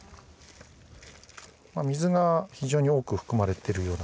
水が非常に多く含まれてるような。